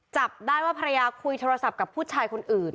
จับได้ว่าภรรยาคุยโทรศัพท์กับผู้ชายคนอื่น